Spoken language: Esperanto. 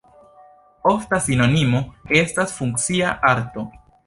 Ofta sinonimo estas funkcia arto.